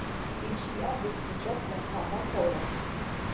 Li ĉiam vekiĝas la saman horon.